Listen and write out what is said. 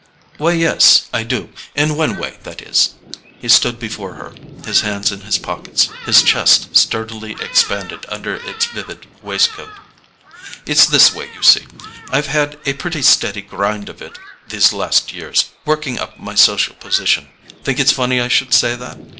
"Why, yes, I do: in one way, that is." He stood before her, his hands in his pockets, his chest sturdily expanded under its vivid waistcoat. "It's this way, you see: I've had a pretty steady grind of it these last years, working up my social position. Think it's funny I should say that?